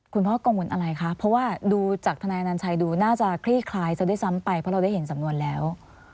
คุณพ่อกังวลอะไรคะเพราะว่าดูจากทนายอนัญชัยดูน่าจะคลี่คลายซะด้วยซ้ำไปเพราะเราได้เห็นสำนวนแล้ว